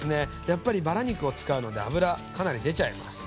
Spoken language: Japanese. やっぱりバラ肉を使うので脂かなり出ちゃいます。